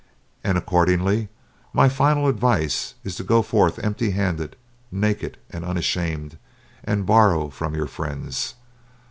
And accordingly my final advice is to go forth empty handed, naked and unashamed, and borrow from your friends.